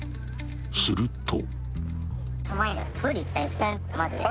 ［すると］